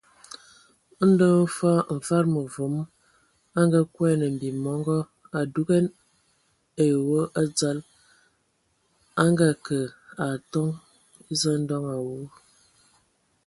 Ndɔ hm fɔɔ Mfad mevom a nganguan mbim mɔngɔ, a dugan ai wɔ a dzal, a ngeakə a atoŋ eza ndoŋ awu.